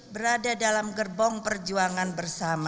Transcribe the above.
berada dalam gerbong perjuangan bersama